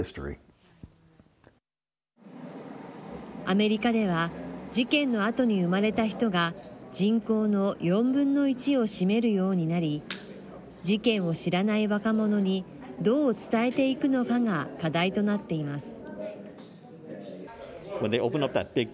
アメリカでは事件のあとに生まれた人が人口の４分の１を占めるようになり事件を知らない若者にどう伝えていくのかが課題となっています。